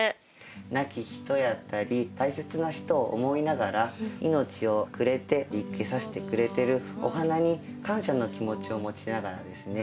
亡き人やったり大切な人を思いながら命をくれて生けさせてくれてるお花に感謝の気持ちを持ちながらですね